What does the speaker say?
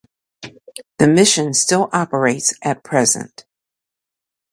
The mission still operates at present.